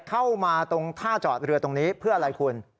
เข้ามาตรงท่าจอดเรือตรงนี้เพื่ออะไรคุณ